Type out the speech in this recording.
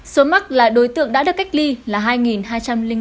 số mắc là đối tượng đã được cách ly là hai hai trăm linh bảy ca